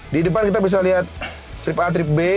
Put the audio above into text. di depan kita bisa lihat trip a trip b